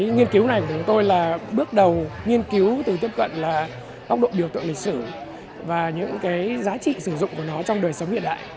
nghiên cứu này của chúng tôi là bước đầu nghiên cứu từ tiếp cận tốc độ biểu tượng lịch sử và những giá trị sử dụng của nó trong đời sống hiện đại